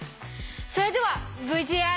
それではＶＴＲ。